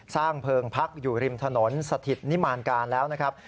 เพลิงพักอยู่ริมถนนสถิตนิมานการแล้วนะครับ